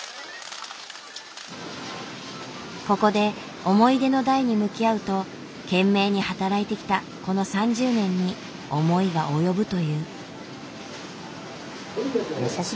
ここで思い出の台に向き合うと懸命に働いてきたこの３０年に思いが及ぶという。